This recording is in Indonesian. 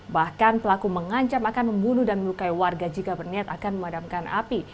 bahkan pelaku mengancam akan membunuh dan melukai warga jika berniat akan memadamkan api